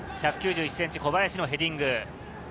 １９１ｃｍ、小林のヘディング。